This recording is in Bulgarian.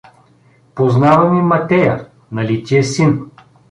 Познавам и Матея, нали ти е син?